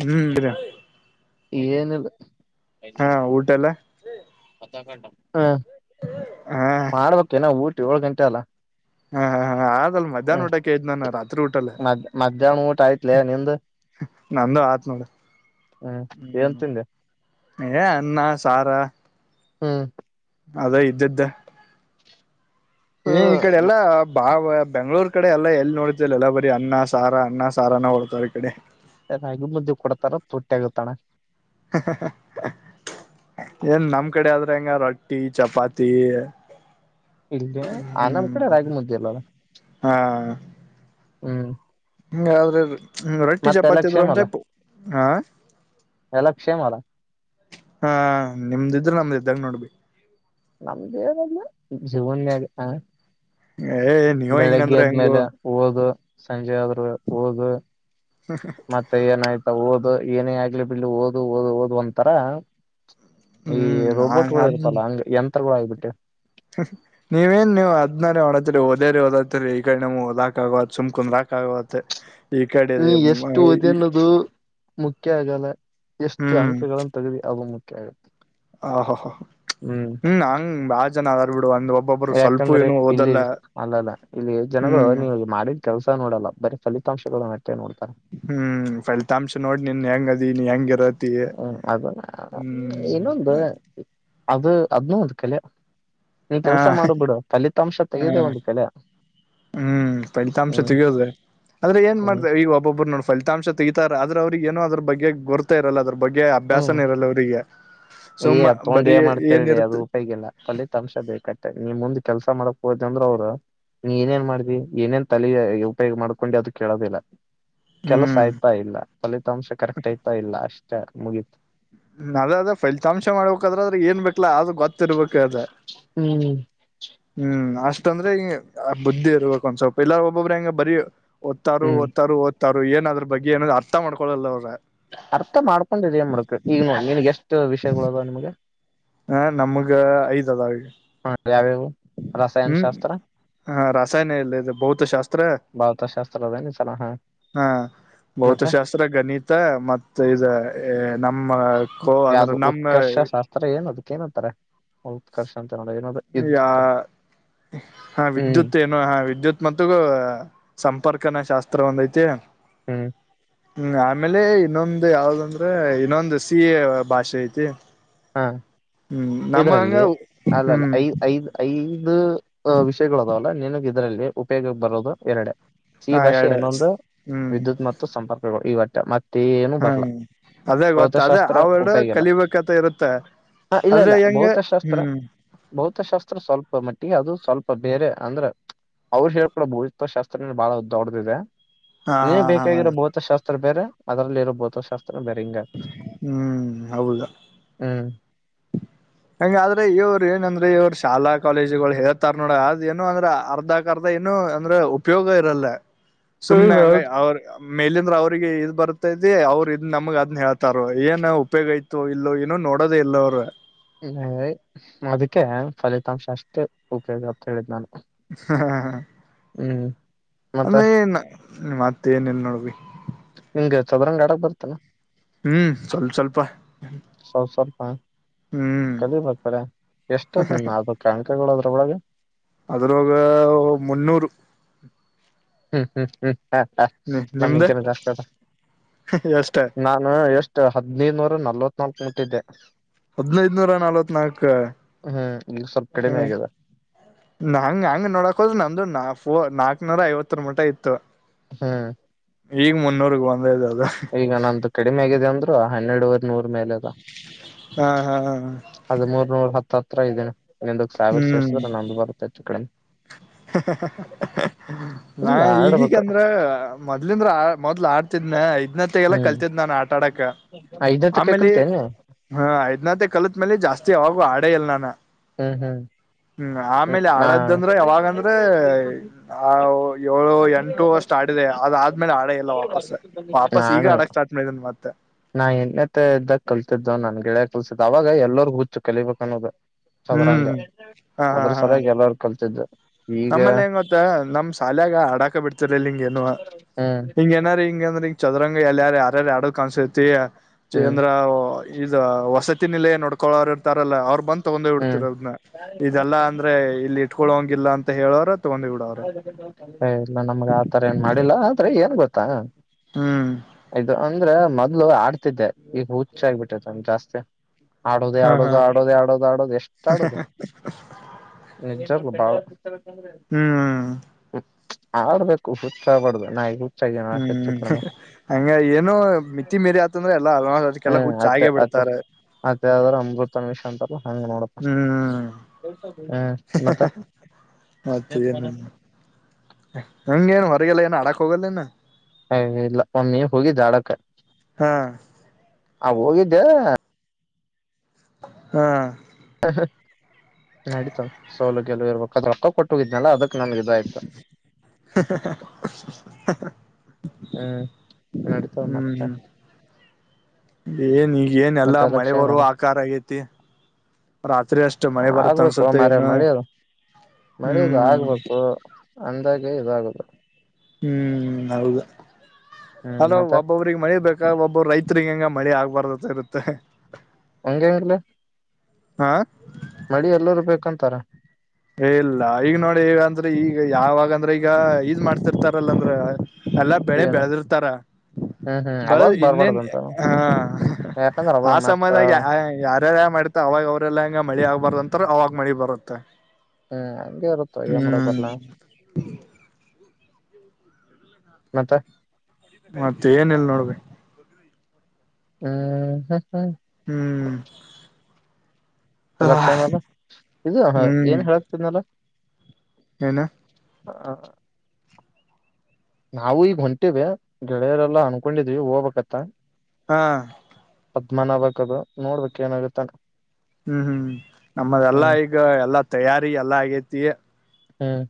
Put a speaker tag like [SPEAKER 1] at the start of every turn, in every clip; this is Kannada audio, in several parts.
[SPEAKER 1] ಹ್ಮ್
[SPEAKER 2] ಏನಿಲ್ಲ
[SPEAKER 1] ಹಾ ಊಟ ಎಲ್ಲ
[SPEAKER 2] ಹ್ಮ ಮಾಡ್ಬೇಕು ನ ಊಟ ಏಳ್ ಗಂಟೆ ಅಲ್ಲ
[SPEAKER 1] ಹಾ ಹಾ ಹಾ ಆದಲ್ ಮಧ್ಯಾಹ್ನ
[SPEAKER 2] ಹ್ಮ್
[SPEAKER 1] ಊಟಕ್ಕೆ ದ್ ನಾನ ರಾತ್ರಿ ಊಟಲ್ಲ
[SPEAKER 2] ಮದ್ ಮಧ್ಯಾಹ್ನ ಊಟ ಆಯ್ತ್ಲ ನಿಂದು
[SPEAKER 1] ನಂದು ಆತ್ ನೋಡ
[SPEAKER 2] ಏನ್
[SPEAKER 1] ಹ್ಮ್
[SPEAKER 2] ತಿಂದೆ
[SPEAKER 1] ಹೇ ಅನ್ನ ಸಾರಾ
[SPEAKER 2] ಹ್ಮ್
[SPEAKER 1] ಅದೇ ಇದ್ದಿದ್ದೆ ಏ ಈ ಕಡೆ ಎಲ್ಲಾ ಬಾವ ಬೆಂಗಳೂರ್ ಕಡೆ ಎಲ್ಲ ಎಲ್ಲಿ ನೋಡತಲ್ಲ ಎಲ್ಲ ಬರಿ ಅನ್ನ ಸಾರಾ ಅನ್ನ ಸಾರನ್ನ ಹೊೋಡ್ತಾರೆ ಈ ಕಡೆ
[SPEAKER 2] ರಾಗಿ ಮುದ್ದೆ ಕೊಡ್ತಾರ ತೊಟ್ಟಿ ಆಗತರ
[SPEAKER 1] ಏನ್ ನಮ್ ಕಡೆ ಆದ್ರೆ ಹೆಂಗ ರೊಟ್ಟಿ ಚಪಾತಿ
[SPEAKER 2] ಇಲ್ಲಯ ಆ ನಮ್
[SPEAKER 1] ಹ್ಮ್
[SPEAKER 2] ಕಡೆ ರಾಗಿ ಮು್ದೆ ಅಲ್ಲಲ್ಲ
[SPEAKER 1] ಹಾ
[SPEAKER 2] ಹ್ಮ್
[SPEAKER 1] [unintelligible] ಹ್ಮ ರೊಟ್ಟಿ
[SPEAKER 2] ಮತ್ತೆ ಎಲ್ಲ
[SPEAKER 1] ಚಪಾತಿದ್ರು
[SPEAKER 2] ಕ್ಷೇಮ
[SPEAKER 1] ಅಂತ
[SPEAKER 2] ಅಲ್ಲ
[SPEAKER 1] ಪ ಹ
[SPEAKER 2] ಎಲ್ಲ ಕ್ಷೇಮ ಅಲ್ಲ
[SPEAKER 1] ಹಾ ನಿಮ್ದಿದ್ರೆ ನಮ್ದ ಇದ್ದಾಗ ನೋಡ್ಬಿ
[SPEAKER 2] ನಮ್ದೇಲ್ಲ ಜೀವನ್ ಹ
[SPEAKER 1] ಏ ನೀವ ಹಿಂಗಂದ್ರೆ ಹೆಂಗೋ
[SPEAKER 2] ಓದು ಸಂಜೆ ಹೋಗ ಮತ್ತೆ ಏನಾಯ್ತು ಓದ ಏನೇ ಆಗ್ಲಿ ಬಿಡ್ ಓದು ಓದ ಓದ ಒಂತರ ಈ
[SPEAKER 1] ಹ್ಮ್ ನಾ
[SPEAKER 2] ರೋಬೋಟ್ಗಳು
[SPEAKER 1] ಅದ್
[SPEAKER 2] ಇರ್ತಲ್ಲ ಹಂಗ ಎಂ ಅತ್ರ ಕಡಬಿಟ್ಟು
[SPEAKER 1] ನೀವೇನ್ ನೀವು ಹದ್ನಾರ ಹೊಓಡತ್ರಿ ಓದೇರಿ ಓದತ್ತರಿ ಈ ಕಡೆ ನಮವು ಹಓದಾಕ ಆಗವತ್ ಸುಮ್ಕಂದ ರಾಕ ಆಗವತ್ ಈ ಕಡೆ
[SPEAKER 2] ನೀ ಎಷ್ಟು ಒದಿ ಅನ್ನೋದು ಮುಖ್ಯ ಆಗಲ್ಲ ಎಷ್ಟು
[SPEAKER 1] ಹ್ಮ್
[SPEAKER 2] ಅಂಕಗಳಗಳನ್ನು ತಗಿ ಅವ ಮು ಹ [inaudible]
[SPEAKER 1] ಹ ಹ ಹಾ ಹ್ಮ್ ಹಂಗ ಬ ಜನಾವರ
[SPEAKER 2] ಯಾಕಂದ್ರೆ ಇಲ್ಲಿ ಅಲ್ಲ ಅಲ್ಲ ಇಲ್ಲಿ ಜನಗಳು
[SPEAKER 1] ಹ್ಮ್
[SPEAKER 2] ನೀವು ಮಾಡಿದ್ ಕೆಲ್ಸ ನೋಡಲ್ಲ ಬ ಫಲಿತಾಂಗಳು
[SPEAKER 1] ಹ್ಮ್ ಫಲಿತಾಂಶ ನೋಡ್ ನಿನ್ ಹೆಂಗ ನೀ ಹೆಂಗರ [unintelligible]
[SPEAKER 2] ಹ್ಮ್ ಅದ ಇನ್ನೊಂದು ಅದು ಅದನ್ನ ಅದುಕಲ್ಲ ನೀ
[SPEAKER 1] ಹಾ
[SPEAKER 2] ಕೆಲ್ಸ ಮಾಡ ಬಿಡು ಫಲಿತಾಂಶ ತೆಗದೆ
[SPEAKER 1] ಹ್ಮ್
[SPEAKER 2] ಒಂದು ಕೆಲೆ
[SPEAKER 1] ಹ್ಮ್ ಫಲಿತಾಂಶ ತೆಗೋದ ಆದ್ರೆ ಏನ್
[SPEAKER 2] ಹ್ಮ್
[SPEAKER 1] ಮಾಡ್ತ ಈಗ ಒಬ್ಬೊಬ್ಬರು ನೋಡ ಫಲಿತಾಂಶ ತೆ ಆದ್ರ ಅವ್ರಿಗೆ ಏ ಅದ್ರ ಬಗ್ಗೆ ಗೊತ ಇರಲ್ಲ ಅದ್ರ ಬಗ್ಗೆ
[SPEAKER 2] ಹ್ಮ್
[SPEAKER 1] ಅಭ್ಯಾಸನ ಇರಲ್ಲ ಅವ್ರಿಗೆ
[SPEAKER 2] ಏ
[SPEAKER 1] ಸುಮ್ಮ
[SPEAKER 2] ತಗೊಂಡು
[SPEAKER 1] ಬರೀ
[SPEAKER 2] ಏ ಮಾಡ್ತರ ಹೇಳಿ ಅದು
[SPEAKER 1] ಏನಿರುತ್ತೆ
[SPEAKER 2] ಉಪಯೋಗಿಲ್ಲ ಪಲ್ಲಿತ್ ಅಂಶದೇಕಟ್ಟೆ ನೀ ಮುಂದ್ ಕೆಲ್ಸ ಮಾಡಕ್ ಹೋದ ಅಂದ್ರೆ ಅವ್ರು ನೀ ಏನೇನ್ ಮಾಡ್ವಿ ಏನೇನ್ ತಲೆ ಉಪಯೋಗ ಮಾಡ್ಕೊಂಡು ಅದ ಕೇಳೋದಿಲ್ಲ ಕೆಲಸ
[SPEAKER 1] ಹ್ಮ್
[SPEAKER 2] ಆಯ್ತಾ ಇಲ್ಲ ಫಲಿತಾಂಶ ಕರೆಕ್ಟ್ ಆಯ್ತಾ ಇಲ್ಲ ಅಷ್ಟ ಚ [inaudible] ಮುಗಿತ
[SPEAKER 1] ಅದ ಅದೇ ಫಲಿತಾಂಶ ಮಾಡ್ಬೇಕಾದ್ರೆ ಆದ್ರೆ ಏನ್ ಬೇಕು ಲ್ಲ ಅದು ಗೊತ್ತಿರ್ಬೇಕ ಅದ
[SPEAKER 2] ಹ್ಮ್
[SPEAKER 1] ಹ್ಮ್ ಅಷ್ಟ ತೊಂದರೆೆ ಈಗ ಆ ಬುದ್ಧಿ ಇರ್ಬೇಕು ಒಂದ ಸ್ಲ್ಪಲ್ಲಾ ಬಬ್ರಾಂಗ ಬರ ಒತ್ತಾರು
[SPEAKER 2] ಹ್ಮ್
[SPEAKER 1] ಒತ್ತಾರ ಒ ಏನ್ ಅದ್ರ ಬಗ್ಗೆ ಏನ ಅರ್ಥ ಮಾಡ್ಕೋಲ್ಲ ಅವ್ರ
[SPEAKER 2] ಅರ್ಥ ಮಾಡ್ಕೊಂಡಿದೆೇನ್ ಮುಡಕ ಈಗ ನ ನೀನ್ಗೆ ಎಷ್ಟು ವಿಷಯಗಳದು ನಿಮ್ಗೆ
[SPEAKER 1] ಹ ನಮಗ ಐದ ಅದ ಅವಗ
[SPEAKER 2] ಹಾ [inaudible]
[SPEAKER 1] ಹ್ಮ್ ಹ ರಾಸಾಯನ ಇಲ್ಲ ಇ ಭೌತಶಾಸ್ತ್ರ
[SPEAKER 2] ಭೌತಶಾಸ್ತ್ರ ಅದೇನ ಸಲ ಹಾ
[SPEAKER 1] ಹಾ
[SPEAKER 2] ಮತ್ತೆ
[SPEAKER 1] ಭೌತಶಾಸ್ತ್ರ ಗಣಿತ ಮತ್ತ ಇ ನಮ್ಮ ಕೋ ಅಂದ್ರ
[SPEAKER 2] ಯಾವ್ದು
[SPEAKER 1] ನಮ್ಮ
[SPEAKER 2] ಉತ್ಕರ್ಷ ಶಾಸ್ತ್ರ ಏನ ಅದಕ್ಕ ಏನತ್ತಾರೆ ಉತ್ಕರ್ಷ ಅಂತ ಹೇಳ್ರ ಏನ
[SPEAKER 1] ಯ ಹಾ
[SPEAKER 2] ಹ್ಮ್
[SPEAKER 1] ವಿದ್ಯುತ್ ಏನು ಹಾ ವಿದ್ಯುತ್ ಮತ್ತುಗೂ ಸಂ ಪರ್ಕಣ ಶಾಸ್ತ್ರ ಒಂದೈತೆ
[SPEAKER 2] ಹ್ಮ್
[SPEAKER 1] ಹ್ಮ್ ಆಮೇಲೆ ಇನ್ನೊಂದ್ ಯಾವ್ದಂದ್ರೆ ಇನ್ನೊಂದ ಸಿ ಎ ಭಾಷೆ ಐತಿ
[SPEAKER 2] ಹಾ
[SPEAKER 1] ಹ್ಮ್ ನಮ್ಮ ಹಂಗ
[SPEAKER 2] ಇದ್ರಲ್ಲಿ ಅಲ್ಲಲ್ಲ
[SPEAKER 1] ಹ್ಮ್
[SPEAKER 2] ಐ ಐದು ಐದು ವಿಷಯಗಳು ಅದಲ್ಲ ನಿನಗ್ ಇದರಲ್ಲಿ ಉಪಯೋಗಕ್ಕೆ ಬರೋದು ಎರಡೆ ಈ
[SPEAKER 1] ಹಾ
[SPEAKER 2] ಭಾಷೆ
[SPEAKER 1] ಎರಡ
[SPEAKER 2] ಇನ್ನೊಂದು ವಿದ್ಯುತ್ ಮತ್ತು ಸಂಪರ್ಕಗಳು ಈವಟ್ಟ [inaudible] ಮತ್ತೆ
[SPEAKER 1] ಹ್ಮ ಅದೇ ಗತ್ತ ಅದೇ
[SPEAKER 2] ಭೌತಶಾಸ್ತ್ರ
[SPEAKER 1] ಅವಡ
[SPEAKER 2] ಉಪಯೋಗಿಲ್ಲ
[SPEAKER 1] ಕಲಿಬೇಕತ ಇರುತ್ತ
[SPEAKER 2] ಹ ಇಲ್ಲ
[SPEAKER 1] ಆದ್ರೆ
[SPEAKER 2] ಇಲ್ಲ
[SPEAKER 1] ಹೆಂಗ
[SPEAKER 2] ಭೌತಶಾಸ್ತ್ರ
[SPEAKER 1] ಹ್ಮ್
[SPEAKER 2] ಭೌತಶಾಸ್ತ್ರ ಸ್ವಲ್ಪ ಮಟ್ಟೆ ಅದು ಸ್ವಲ್ಪ ಬೇರೆ ಅಂದ್ರೆ ಅವ್ರು ಹೇಳ್ಕಡ ಭೌತ್ವ ಶಾಸ್ತ್ರ ಬಹಳ ದೊಡದಿದೆ
[SPEAKER 1] ಹಾ
[SPEAKER 2] ಏ
[SPEAKER 1] ಹಾ ಹಾ
[SPEAKER 2] ಬೇಕಾಗಿರೋ ಭೌತಶಾಸ್ತ್ರ ಬೇರೆ ಅದ್ರಲ್ಲಿ ಇರ್ಬಹದು ಶ
[SPEAKER 1] ಹ್ಮ್ ಹೌದಾ
[SPEAKER 2] ಹ [unintelligible]
[SPEAKER 1] ಹಂಗ ಆದ್ರೆ ಇವ್ರು ಏನಂದ್ರೆ ಇವ್ರ ಶಾಲಾ ಕಾಲೇಜುಗಳು ಹೇಳ್ತಾರ ನೋಡ ಅದ್ ಏನು ಅಂದ್ರ ಅರ್ಧಕರ್ಧ ಏನು ಅಂದ್ರ ಉಪಯೋಗ ಇರಲ್ಲ ಸುಮ್ನೆಂಗ ಅವ್ರ ಮೇಲೆ ದ್ರ ಅವ್ರಿಗೆ ಇದ್ ಬರ್ತೈತಿ ಅವ್ರರು ಇದ್ ನಮಗ್ ಅದನ್ ಹೇಳ್ತಾರ ಏನ್ ಉಪಯೋಗ ಆಯ್ತು ಇಲ್ಲೋ ಏನು ನೋಡೋದೇ ಇಲ್ಲ ಅವರು
[SPEAKER 2] [inaudible] ಅದಕ್ಕೆ ಫಲಿತಾಂಶ ಅಷ್ಟೇ ಉಪಯೋಗ ಅಂತ ಹೇಳಿದ್ ನಾನು
[SPEAKER 1] ಹಾ ಹಾ
[SPEAKER 2] ಹ್ಮ್ ಮತ್ತ
[SPEAKER 1] ಅಂದ್ರೆ ಏನ್ ಮತ್ತ ಏನ್ಲ್ ನೋಡ್ ಅಭಿ
[SPEAKER 2] ಹಂಗ ಚದರಂಗ ಆಡಕ್ ಬರ್ತಾನ
[SPEAKER 1] ಹ್ಮ್ ಸ್ವಲ್ಪ ಸ್ವಲ್ಪ
[SPEAKER 2] ಸ್ವ ಸ್ವಲ್ಪ
[SPEAKER 1] ಹ್ಮ್
[SPEAKER 2] ಕಲಿ ಬರ್ತಾರ ಎಷ್ಟದ್ ನಿನ್ ಅ ಕಾಣಕಗಳಾದ್ ಳಗೆ [unintelligible]
[SPEAKER 1] ಅದ್ರಾಗ ಮುನ್ನೂರು
[SPEAKER 2] ಹ್ಮ್ ಹ್ಮ್ ಹ್ಮ್ ಹ ಹ ನನ್
[SPEAKER 1] ನಿಮ್ದ
[SPEAKER 2] ಹಂತನ ಜಾಸ್ತಿ ಅ
[SPEAKER 1] ಎಷ್ಟ
[SPEAKER 2] ನಾನು ಎಷ್ಟು ಹದ್ನೈದುನೂರ ನಲ್ವತ್ತು ನೋ ಮುಟ್ಟಿದ್ದೆ
[SPEAKER 1] ಹದ್ನೈದನೂರ ನಲ್ವತ್ ನಾಲ್ಕ
[SPEAKER 2] ಹ್ಮ್ ಈಗ ಸ್ವಲ್ಪ
[SPEAKER 1] ಹ
[SPEAKER 2] ಕಡಿಮೆ ಆಗಿದೆ
[SPEAKER 1] ಹಂಗ ಹಂಗ ನೋಡಕ್ ಹೋದ್ರ ನಮ್ದ ನಾ ಹೊ ನಾಕ್ನೂರ ಐವತ್ತರ ಮಟ್ಟ ಇತ್ತು
[SPEAKER 2] ಹ್ಮ್
[SPEAKER 1] ಈಗ ಮುನ್ನೂರ್ಗ್ ಒಂದೇ ಇದ ಅದು
[SPEAKER 2] ಈಗ ನನ್ನದ ಕಡಿಮೆ ಆಗಿದೆ ಅಂದ್ರು ಹನ್ನೆರೇಡುವರಿನುರ ಮೇಲೆದ
[SPEAKER 1] ಹಾ ಹಾ
[SPEAKER 2] ಅದ ಮೂರ್ ನೂರ ಹತ್ತ ಆತ್ತ [unintelligible] ಇನ್ನಂದ್ ಸಾವಿರ
[SPEAKER 1] ಹ್ಮ್
[SPEAKER 2] ಸೇರ್ಸ್ರ ನಮ್ದ ಬರುತ್ತತ್ತು ಕಡಿಮಿ
[SPEAKER 1] [unintelligible] ನಾ
[SPEAKER 2] ಇಲ್ಲ ಆಡ್ಬೇಕು
[SPEAKER 1] ಈಗೀಗಂದ್ರ ಮೊದ್ಲಿಂದ್ರ ಆ ಮೊದ್ಲು ಆಡುತ್ತಿದ್ದೇನ ಐದ್ನತೆಗೆಲ್ಲ
[SPEAKER 2] ಹ್ಮ್
[SPEAKER 1] ಕಲ್ತಿದ್ ನಾನು ಆಟ ಆಡಕ
[SPEAKER 2] ಐದತ್ತಕ್ಕೆ
[SPEAKER 1] ಆಮೇಲೆ
[SPEAKER 2] ಕಲ್ತೇನೆ
[SPEAKER 1] ಹ ಐದ್ನತೆ ಕಲತ್ ಮೇಲೆ ಜಾಸ್ತಿ ಅವಾಗ ಆಡೇ ಇಲ್ಲ ನಾನ
[SPEAKER 2] ಹ್ಮ್ ಹ್ಮ್
[SPEAKER 1] ಹ್ಮ್ ಆಮೇಲೆ ಆಡದ್ದ ಯಾವಾಗಂದ್ರೆ ಆ ಏಳು ಎಂಟು ಅಷ್ಟ ಆಡಿಲ ಅದ ಆದ್ಮೇಲೆ ಆಡ ಇಲ್ಲ ವಾಪಸ್ ವಾಪಸ್ ಈಗ
[SPEAKER 2] ನಾನು
[SPEAKER 1] ಆಡಕ್ ಸ್ಟಾಟ್ ಮನ್ ಮತ್ತ
[SPEAKER 2] ಗೆಳೆ ಕಲ್ಸಿದತ್ ಅವಾಗ ಎಲ್ಲರುೂ ಹುಚ್ಚು ಕಲಿಬೇಕ ಅನ್ನೋದು ಚದರಂಗ
[SPEAKER 1] ಹ್ಮ್ ಹಾ ಹಾ
[SPEAKER 2] ಅದ್ರ
[SPEAKER 1] ಹಾ
[SPEAKER 2] ಸಯಾಗಿ ಎಲ್ಲರು ಕಲ್ತ [inaudible]
[SPEAKER 1] ನಮ್ಮಲ್ಲಿ ಹೆಂಗ ಗೊತ್ತ ನಮ್ ಶಾಲ್ಯಾಗ ಆಡಾಕ ಬಿಡ್ತ ಲಿನ್ನುವಾ
[SPEAKER 2] ಹ್ಮ್
[SPEAKER 1] ಹಿಂಗ್ ಏನಾರು ಇಂಗ ಅಂದ್ರೆ ತಿ ಚದರಂಗ ಎಲ್ಲ ಯಾರ ಯಾರ ಆಡೋ ಕಾಣಸುತ್ತ [unintelligible]
[SPEAKER 2] ಹ್ಮ್
[SPEAKER 1] ಚಂದ್ರ ಇ ವಸತಿ ನಿಲಯ ನೋಡಕೋಳವರ ಅವ್ರು ಬಂದ ತಗೊಂಡ
[SPEAKER 2] ಹ್ಮ್
[SPEAKER 1] ಹೋಗ್ಬಿಡ್ತಿದ್ರು ಅದನ್ನ ಇದೆಲ್ಲ ಅಂದ್ರೆ ಇಲ್ಲಿ ಇಟ್ಕೊಳ್ಳ ಹಂಗಿಲ್ಲ ಅಂತ ಅ ಹೇಳೋರ ತಗೊಂಡ್ ಬಿಡೋರು
[SPEAKER 2] ಹ ಇಲ್ಲ ನಮ್ಗ್ ಆತರ ಏನ್ ಮಾಡಿಲ್ಲ ಆದ್ರೆ ಏನ್ ಗೊತ್ತ ಹತ್ತಾ
[SPEAKER 1] ಹ್ಮ್
[SPEAKER 2] ಆಯದು ಅಂದ್ರೆ ಮೋ ಆಡ್ತಿದ್ದೆ ಈಗ ಹುಚ್ಚ ಆಗ್ಬಿಟ್ಟೈತೆ ಜಾಸ್ತಿ ಆಡೋದು
[SPEAKER 1] ಹಾ ಹಾ
[SPEAKER 2] ಆಡೋದು ಆಡೋದು ಆಡೋದು ಆಡೋದು ಎಷ್ಟು ಆಡದು ನಿಜವಾಗಿನು ಹಾ [unintelligible] [inaudible] [inaudible]
[SPEAKER 1] ಹ್ಮ್
[SPEAKER 2] ಆಡ್ಬೇಕು ಹುಚ್ಚ ಆಬಡ್ದು ನ
[SPEAKER 1] ಹ್ಮ್ ಹಂಗ ಏನೋ ಮಿತಿ ಮೀರಿ ಆತಂದ್ರೆ ಎಲ್ಲಾ ಅಲ್ ಅದಕ್ಕೆಲ್ಲ
[SPEAKER 2] ಹ್ಮ್ ಅತ್ತೆ
[SPEAKER 1] ಹುಚ್ಚಾಗೆ
[SPEAKER 2] ಅತ್ತೆ
[SPEAKER 1] ಬಿಡ್ತಾರೆ
[SPEAKER 2] ಅತ್ತೆ ಆದ್ರ ಅಮೃತ ನಿಮಿಷ ಅಂತಲ್ಲ ಹಂಗ ನೋಡಪ್ಪ
[SPEAKER 1] ಹ್ಮ್
[SPEAKER 2] ಹ್ಮ ಮತ್ತ
[SPEAKER 1] ಹಂಗ [unintelligible] ನ್ ಮ ಲ್ಲ ಏ ಹಾಡಕ್ ಹೋಗಲ್ಲೇನ್ನು
[SPEAKER 2] ಹ ಇಲ್ಲ ಒಮ್ಮಿ ಹೋಗಿ ಹಾಡಕ್ಕ
[SPEAKER 1] ಹಾ
[SPEAKER 2] ಆ ಹೋಗಿದ್ದೆ
[SPEAKER 1] ಹ್ಮ್
[SPEAKER 2] ನಡಿತ ಸೌಲಭ್ಯಲ್ಲ ಇರ್ಬೇಕ ಅದ ರೊಕ್ಕ ಕೊಟ್ಟ ಹೋಗಿದ್ನಲ್ಲ ಅದಕ್ ನಮಗೆ
[SPEAKER 1] [inaudible]
[SPEAKER 2] ಹ್ಮ್ ನಡೀತಾವ ಮತ್ತ
[SPEAKER 1] ಹ್ಮ್ ಏನ್ ಈಗ ಏನ್ ಎಲ್ಲಾ ಮಳೆ
[SPEAKER 2] ಕ್ಷೇಮ
[SPEAKER 1] ಬರುವ
[SPEAKER 2] ಅಲ್ಲ
[SPEAKER 1] ಆಕಾರ ಆಗೈತಿ ರಾತ್ರಿ ಅಷ್ಟ ಮಳೆ ಬರತ್
[SPEAKER 2] ಆಗ್ಬೇಕು
[SPEAKER 1] ಅನ್ಸತ್ತೆ
[SPEAKER 2] ಮಾರಾಯ
[SPEAKER 1] ಏನ್ನು
[SPEAKER 2] ಮಳಿಯೋದು ಮಳಿಯೋದು
[SPEAKER 1] ಹ್ಮ್
[SPEAKER 2] ಆಗ್ಬೇಕು ಅಂದಾಗೆ ಇದಾಗದು
[SPEAKER 1] ಹ್ಮ್ ಹೌದು
[SPEAKER 2] ಹ್ಮ್
[SPEAKER 1] ಅಲ
[SPEAKER 2] ಮತ್ತೆ
[SPEAKER 1] ಒಬ್ಬೊಬ್ರಿಗೆ ಮನಿಬೇಕು ಒಬ್ಬ ರೈತ್ರಿಗ ಹಂಗ ಮಳೆ ಆಗ್ಬಾರ್ದತೆ ಇರುತ್ತೆ
[SPEAKER 2] ಒಗೆಂಗಲ
[SPEAKER 1] ಹಾ
[SPEAKER 2] ಮಳಿ ಎಲ್ಲರೂ ಬೇಕಂತಾರ
[SPEAKER 1] ಇಲ್ಲ ಈಗ ನೋಡಿ ಈ ಅಂದ್ರೆ ಈಗ ಯಾವಾಗ ಅಂದ್ರೆ ಈಗ ಇದ್ ಮಾಡ್ತಿರ್ತಾರಲ್ಲ ಅಂದ್ರ ಎಲ್ಲ ಬೆಳೆ
[SPEAKER 2] ಏನು
[SPEAKER 1] ಬೆಳೆದಿರ್ತಾರ
[SPEAKER 2] ಹ್ಮ್ ಹ್ಮ್ ಅವಾಗ
[SPEAKER 1] ಬೆಳೆದ್ ಇನ್ನೇನ್
[SPEAKER 2] ಬರ್ಬಾರ್ದಂತ
[SPEAKER 1] ಆ
[SPEAKER 2] ಯಾಕಂದ್ರ ಅವಾಗ
[SPEAKER 1] ಆ
[SPEAKER 2] ಮತ್ತ
[SPEAKER 1] ಸಮಯದಾಗ ಯಾರೆಲ್ಲ ಮಾಡಿತ ಅವಾಗ ಅವ್ರಲ್ಲಾ ಹಂಗ ಮಳಿ ಆಗ್ಬಾರ್ದಂತ ಅವಾಗ್ ಮಾಡಿ ಬರುತ್ತೆ
[SPEAKER 2] ಹ್ಮ್ ಹಂಗಗೆ ಇರುತ್ತೋ ಅಯ್ಯಮ್ಮಡ
[SPEAKER 1] ಹ್ಮ್
[SPEAKER 2] ಬರ್ಲ್ಲ ಮತ್ತೆ
[SPEAKER 1] ಮತ್ತೆ ಏನೆಲ್ಲ ನೋಡ್ಬೇಕ
[SPEAKER 2] ಹ್ಮ ಹ ಹಾ
[SPEAKER 1] ಹ್ಮ್
[SPEAKER 2] ಅಲ್ಲಕ್ಷಮಾಲ ಇದು ಏನ್ ಹೇಳಕ್ತಿದ್ನಲ್ಲ
[SPEAKER 1] ಏನಾ
[SPEAKER 2] ಹ ಹ ನಾವು ಈಗ ಹೊಂಟವ ಗೆಳೆಯರೆಲ್ಲಾ ಅನ್ಕೊಂಡಿದ್ವಿ ಹೋಗ್ಬೇಕತ್ತ
[SPEAKER 1] ಹಾ
[SPEAKER 2] ಅದ್ಮಾನ ಆಬೇಕದು ನೋಡ್ಬೇಕು ಏನಾಗುತ್ತತ್ತಾನ
[SPEAKER 1] ಹ್ಮ್ ಹ್ಮ್ ನಮ್ಮದ ಎಲ್ಲಾ
[SPEAKER 2] ಹ್ಮ್
[SPEAKER 1] ಈಗ ಎಲ್ಲಾ ತಯಾರಿ ಎಲ್ಲಾ ಈ ತ [unintelligible]
[SPEAKER 2] ಹ್ಮ್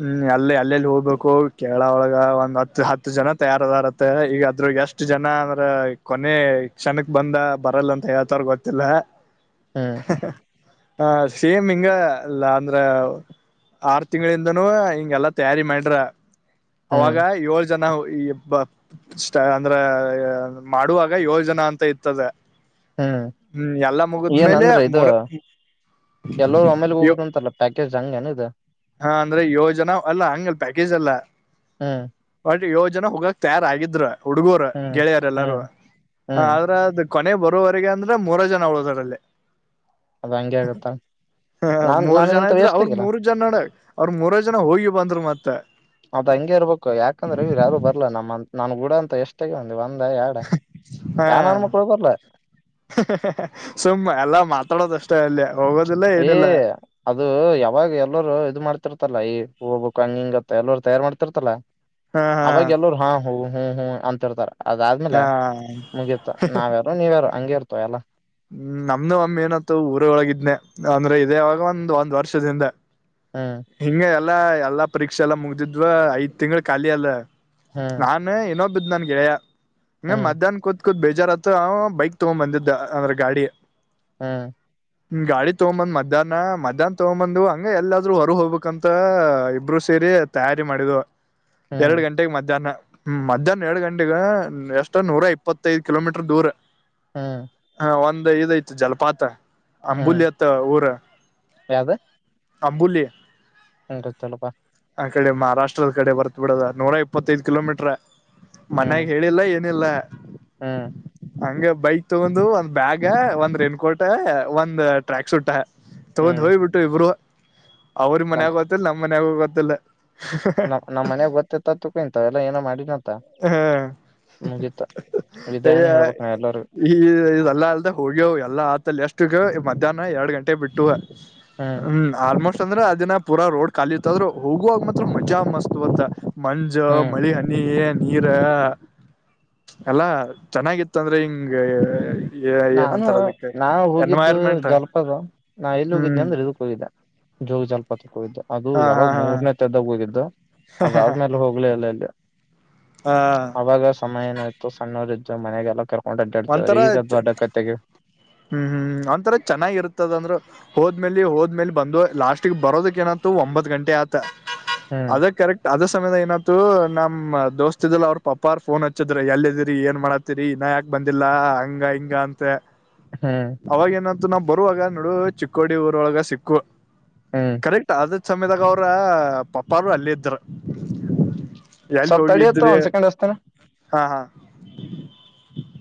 [SPEAKER 1] ಹ್ಮ್ ಅಲ್ಲಿ ಅಲ್ಲೆಲ್ಲಿ ಹೋಗ್ಬೇಕು ಕೇಳ ಒಳಗ ಒಂದ್ ಹತ್ತು ಹತ್ತು ಜನ ತಯಾರದಾರತ್ತ ಈಗ ಅದ್ರ ಎಷ್ಟ್ ಜನ ಅಂದ್ರ ಕೊನೆ ಕ್ಷಣಕ್ ಬಂದ ಬರಲ್ಲ ಅಂತ ಹಳ್ತಾರ ಗೊತ್ತಿಲ್ಲ ಹ
[SPEAKER 2] ಹ್ಮ್
[SPEAKER 1] ಹ ಸೇಮ್ ಹಿಂಗಲ್ಲ ಅಂದ್ರ ಆರು ತಿಂಗಳಿಂದ ನು ಹಿಂಗೆ ಎಲ್ಲಾ ತಯಾರಿ ಮಾಡ್ರ
[SPEAKER 2] ಹ್ಮ್
[SPEAKER 1] ಅವಾಗ ಯೋ ಜನ ಈ ಅಂದ್ರ ಮಾಡುವಾಗ ಯೋಜನಾ ಅಂತ ಇರ್ತದೆ
[SPEAKER 2] ಹ್ಮ್ ಏನಂದ್ರ ಇದು
[SPEAKER 1] ಮೂರ
[SPEAKER 2] ಎಲ್ಲರು ಆಮೇಲೆ ಹೋಗದಂತಲ್ಲ ಪ್ಯಾಕೇಜ್ ಹಂಗ ಏನ ಇದು
[SPEAKER 1] ಹಾ ಅಂದ್ರೆ ಯೋಜನಾ ಅಲ್ಲ ಹಂಗಲ್ ಪ್ಯಾಕೇಜ್ ಅಲ್ಲ
[SPEAKER 2] ಹ್ಮ್
[SPEAKER 1] ಯೋಜನೆ ಹೋಗಕ್ ತಯಾರಗಿದ್ರರು ಹುಡುಗೂರು
[SPEAKER 2] ಹ್ಮ್
[SPEAKER 1] ಗೆಳೆಯರೆ ಎಲ್ಲಾರೂ
[SPEAKER 2] ಹ್ಮ್ ಹ್ಮ್
[SPEAKER 1] ಆದ್ರ ಅದು ಕೊನೆ ಬರೋವರೆಗೆ ಅಂದ್ರ ಮೂರ ಜನ ಅವಳದಾರಲ್ಲಿ
[SPEAKER 2] ಅದ ಹಂಗೆ ಆಗತ್ತ
[SPEAKER 1] ಹ
[SPEAKER 2] ನಾನ್
[SPEAKER 1] ಮೂರು ಜನ
[SPEAKER 2] ನನ್ಗಿಂತ
[SPEAKER 1] ಇದ್ರರು
[SPEAKER 2] ವೇಸ್ಟ್
[SPEAKER 1] ಅವ್ರ
[SPEAKER 2] ಆಗಿಲ್ಲ
[SPEAKER 1] ಮೂರು ಜನ ನಡ ಅವ್ರರು ಮೂರೈ ಜನ ಹೋಗಿ ಬಂದ್ರು ಮತ್ತೆ
[SPEAKER 2] ಅದೇ ಹಂಗೆ ಇರ್ಬೇಕು ಯಾಕಂದ್ರೆ ಅವ ಯಾರು ಬರ್ಲ ನಮ್ಮ ನನ್ ಗುಡ ಅಂತ ಎಷ್ಟಾಗಿ
[SPEAKER 1] [unintelligible] ಹ
[SPEAKER 2] ಮಕ್ಳು ಬರ್ಲ
[SPEAKER 1] ಸುಮ್ಮ್ ಎಲ್ಲ ಮಾತಾಡೋದಷ್ಟೇ ಅಲ್ಲಿ ಹೋಗೋದಿಲ್ಲ
[SPEAKER 2] ಏ
[SPEAKER 1] ಏನಿಲ್ಲ
[SPEAKER 2] [unintelligible] ಹಲ್ಲ ಈಬ ಕಂಗಿಂಗ ಎಲ್ಲವರ್ ತಯಾರ್ ಮಾಡ್ತಿರ್ತಲ್ಲಾ
[SPEAKER 1] ಹ
[SPEAKER 2] ಅವಾಗ ಎಲ್ಲರು ಹಾ ಹೋಗ ಹ್ಮ್ ಹ್ಮ್ ಅಂತಿರ್ತಾರೆ ಅದಾದ್ಮೇಲೆ
[SPEAKER 1] ಹಾ ಹ
[SPEAKER 2] ಮುಗಿಯತ ನಾವ್ಯಾರು ನೀವ್ಯಾರು ಹಂಗೆ ಇರ್ತವ ಎಲ್ಲ
[SPEAKER 1] ಹ್ಮ್ ನಮ್ದ ಒಮ್ಮಿ ಏನತ್ತು ಊರೊಳಗಿದ್ನನೆ ಅಂದ್ರೆ ಇದೇವಾಗ ಒಂದ್ ಒಂದ್ ವರ್ಷದಿಂದ
[SPEAKER 2] ಹ್ಮ್
[SPEAKER 1] ಹಿಂಗ ಎಲ್ಲಾ ಎಲ್ಲಾ ಪರೀಕ್ಷೆ ಎಲ್ಲಾ ಮುಗ್ದಿದ್ವ ಐದ್ ತಿಂಗಳು ಖಾಲಿ ಅಲ್ಲ
[SPEAKER 2] ಹ್ಮ್
[SPEAKER 1] ನಾನನ್ನ್ನೊಬ್ ನು ಕೆಯ [unintelligible] ಹ
[SPEAKER 2] ಹ್ಮ್
[SPEAKER 1] ಮಧ್ಯಾಹ್ ಕೂತ್ ಬೇಜಾರ್ತ್ರ ಬೈಕ್ ತಗೊಂಡ್ ಬಂದಿದ್ದ ಅಂದ್ರೆ ಗಾಡಿ
[SPEAKER 2] ಹ್ಮ್
[SPEAKER 1] ಗಾಡಿ ತಗೊಂಬಂದ್ ಮ್ಯಾಹ್ ಮಧ್ಯಾಹ್ನ್ ತಗೊಂಬ ಬ್ ಹಂಗ ಎಲ್ಲಾದ್ರು ಹೊ ಇರು ಹೋಗ್ಬೇಕಕ್ಂತ ಇಬ್ರು ಸೇರಿ ತಯಾರಿ ಮಾಡಿದ
[SPEAKER 2] ಹ್ಮ್
[SPEAKER 1] ಎರಡು ಗಂಟೆಗೆ ಮಧ್ಯಾಹ್ನ ಹ್ಮ್ ಮಧ್ಯಾಹ್ನ ಎರಡ್ ಗಂಟೆಗ ಎಷ್ಟ ನೂರ ಇಪ್ಪತ್ತೈದು ಕಿಲೋಮೀಟರ್ ದೂರ
[SPEAKER 2] ಹ್ಮ್
[SPEAKER 1] ನ ಒಂದ ಇದಐತ ಜಲಪಾತ
[SPEAKER 2] ಹ್ಮ್
[SPEAKER 1] ಅಂಬುಲಿತ್ತ ಊರ ಅಂಬುಲಿ
[SPEAKER 2] ಹ [unintelligible] ಪ್
[SPEAKER 1] ಆ ಕಡೆ ಮಹಾರಾಷ್ಟ್ರದ ಕಡೆ ಬರ್ತ್ ಬಿಡದ ನೂರ ಇಪ್ಪತ್ತೈದು ಕಿಲೋಮೀಟ್ರ ಮನ್ಯಾಗ
[SPEAKER 2] ಹ್ಮ್
[SPEAKER 1] ಹೇಳಿಲ್ಲ ನಲೆ
[SPEAKER 2] ಹ್ಮ್
[SPEAKER 1] ಹಂಗ ಬೈಕ್ ತಗೊಂಡ ಒಂದ್ ಬ್ಯಾಗ ಒಂದ್ ರೆನ್ ಕೋಟೆ ಒಂದ್ ಟ್ರ್ಯಾಕ್ ಸೂಟ್ ತಗೊಂಡ್
[SPEAKER 2] ಹ್ಮ್
[SPEAKER 1] ಹೋಯ್ಬಿಟ್ಟು ಇಬ್ರು ಅವ್ರ
[SPEAKER 2] ನಮ್
[SPEAKER 1] ಮನ್ಯಾಗ ಗತ್ತಲ್ಲ ನಮ್ಮ್ ಮಯಾಗ ಇಲ್ಲ
[SPEAKER 2] ನಮ್ ನಮ್ ಮನ್ಯಾಗ
[SPEAKER 1] [unintelligible]
[SPEAKER 2] ಗೊತ್ತಿತ್ತ ತಿಳ್ಕೊ ಇಂತವೆಲ್ಲ ಏನೋ ಮಾಡಿನಂತ
[SPEAKER 1] ಹಾ
[SPEAKER 2] ಮುಗೀತ ವಿದಾಯನ
[SPEAKER 1] ಅ
[SPEAKER 2] ಹೇಳ್ಬೇಕ ನಾ ಎಲ್ಲರಿಗೂ
[SPEAKER 1] ಈ ಇಲ್ಲಾ ಅಲ್ದೆ ಹೋಗ್ಯವು ಎಲ್ಲಾ ಆತಲ್ಲಿ ಎಷ್ಟು ಮಧ್ಯಾಹ್ನ ಎರಡು ಗಂಟೆ ಬಿಟ್ಟು ಹ್ಮ್ ಆಲ್ಮ ದ್ರ ಅದಿನ ಪೂರಾ ರೋಡ್ ಖಾಲಿ ಇತ್ತದ್ರೆ ಹೋಗುವಾಗ ಮಾತ್ರ ಮಜಾ ಮಸ್ತ್ವತ್ತ ಮಂಜು
[SPEAKER 2] ಹ್ಮ್
[SPEAKER 1] ಮಳಿ ಹನಿ ಏನ್ ನೀರ ಎಲ್ಲಾ ಚೆನ್ನಾಗಿತ್ತ ಅಂದ್ರೆ ಹಿಂಗ
[SPEAKER 2] ನಾನು
[SPEAKER 1] ಏನಂತಾರ ಅದಕ್ಕೆ
[SPEAKER 2] ನಾ ಹೋಗಿದ್ದು
[SPEAKER 1] ಎನ್ವೈರ್ಮೆಂಟ್
[SPEAKER 2] ಜಲಪದ ನಾ ಎಲ್ಲಿ ಹೋಗಿದ್ದನಿ
[SPEAKER 1] ಹ್ಮ್
[SPEAKER 2] ಅಂದ್ರೆ ಇದಕ್ ಹೋಗಿದ್ದೆ ಜೋಗ ಜಲ್ಪತಾ [unintelligible] ದ್ದು ಅದು
[SPEAKER 1] ಹಾ ಹಾ
[SPEAKER 2] ಯಾವಾಗ
[SPEAKER 1] ಹಾ
[SPEAKER 2] ಮೂರನೇ ತದಾಗ ಹೋಗಿದ್ದು ಅದಾದ್ಮೇಲೆ ಹೋಗ್ಲಿ ಅಲ್ಲ ಇಲ್ಲಿ
[SPEAKER 1] ಹಾ
[SPEAKER 2] ಅವಾಗ ಸಮಯ ಏನು ಇತ್ತು ಸಣ್ಣವರು ಮನೆಗ ಎಲ್ಲ
[SPEAKER 1] ಒಂಥರ
[SPEAKER 2] ಒಡಡ್ರಿಗದುಡ್ [unintelligible]
[SPEAKER 1] ಹ್ಮ್ ಹ್ಮ್ ಒಂಥರ ಚೆನ್ನಾಗಿರುತ್ತದಂದ್ರರು ಹೋದ್ಮ ಮೇ ಹೋದ್ಲೆ ಬಂದು ಲಾಸ್ಟ್ಗ್ ಬರೋದಕ್ ಏನತ ಒಂಬತ್ ಗಂಟೆ ಆತ
[SPEAKER 2] ಹ್ಮ್
[SPEAKER 1] ಅದ ಕರೆಕ್ಟ್ ಅದ ಸಮಯದ ಏನತ್ತು ನಮ್ಮ್ ದೋಸ್ತ ಇದ ಅವ್ರ ಪಪ್ಪ ಫೋನ್ ಹಚ್ಚಿದ್ರ ಎಲ್ಲ ಇದೀರಿ ಏನ್ ಮಾಡತ್ತೀರಿ ಇನ್ನ ಯಾಕ ಬಂದಿಲ್ಲ ಹಂಗ ಹಿಂಗ ಅಂತ
[SPEAKER 2] ಹ್ಮ್
[SPEAKER 1] ಅವಾಗೇನ ಇದು ನಾವ್ ಬರುವಾಗ ನೋಡು ಚಿಕ್ಕೋಡಿ ಊರೊಳಗ ಸಿಕ್ಕು
[SPEAKER 2] ಹ್ಮ್
[SPEAKER 1] ಕರೆಕ್ಟ್ ಆದ ಸಮೇದಾಗ ಅವ್ರ ಪಪ್ಪಾರರು ಅಲ್ಲ ಇದ್ರ ಎಲ್ಲಿ
[SPEAKER 2] ಸ್ವಲ್ಪ ತಡಿಯತ್ತ
[SPEAKER 1] ಹೋಗಿದ್ರೆ
[SPEAKER 2] ಒಂದ್ ಸೆಕೆಂಡ್ ಹಸ್ತಾನ
[SPEAKER 1] ಹಾ ಹಾ [inaudible]